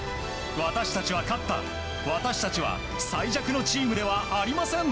私たちは勝った、私たちは最弱のチームではありません！